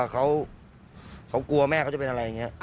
เขากลัวแม่เขาจะเป็นอะไรอย่างนี้